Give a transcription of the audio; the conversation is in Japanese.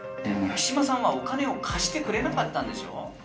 木嶋さんはお金を貸してくれなかったんでしょ？